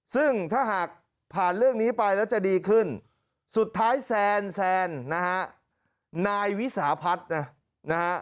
ซึ่งถ้าหากผ่านเรื่องนี้ไปแล้วจะดีขึ้นสุดท้ายแซนแซนนะฮะนายวิสาพัฒน์นะฮะ